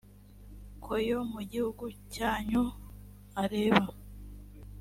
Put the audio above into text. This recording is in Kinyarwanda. ko yo mu gihugu cyanyu areba